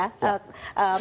pihak dari pemerintahan